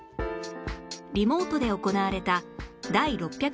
リモートで行われた第